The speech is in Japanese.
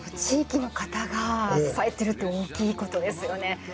地域の方が支えてるって大きいことですよね。